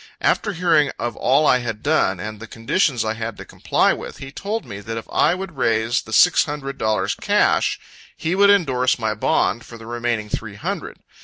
After hearing of all I had done, and the conditions I had to comply with, he told me that if I would raise the six hundred dollars cash, he would endorse my bond for the remaining three hundred.